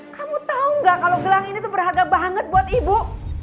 kamu tau gak kalo gelang ini tuh berharga banget buat ibu